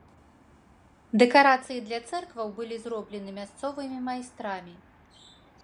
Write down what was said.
Дэкарацыі для цэркваў былі зроблены мясцовымі майстрамі.